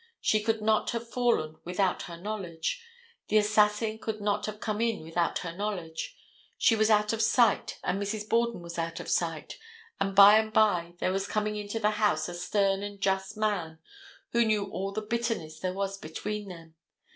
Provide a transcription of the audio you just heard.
She could not have fallen without her knowledge. The assassin could not have come in without her knowledge. She was out of sight and Mrs. Borden was out of sight, and by and by there was coming into the house a stern and just man, who knew all the bitterness there was between them.